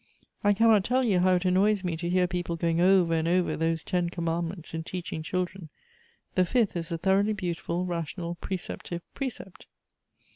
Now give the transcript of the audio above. I cannot tell you how it annoys me to hear peoj^e going over and over those Ton Commandments in teaching children. The fifth is a thoroughly beautiful, ration.al, precci>tive pre cept.